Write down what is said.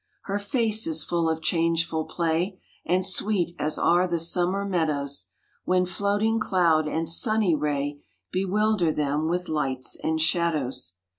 Her face is full of changeful play, And sweet, as are the summer meadows, When floating cloud and sunny ray Bewilder them with lights and shadows.